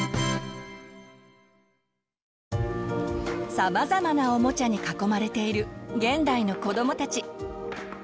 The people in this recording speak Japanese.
さまざまなおもちゃに囲まれている現代の子どもたち。